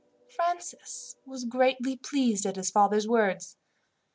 Francis was greatly pleased at his father's words.